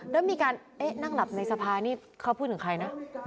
แล้วมีการเอ๊ะนั่งหลับในสภานี่เขาพูดถึงใครนะ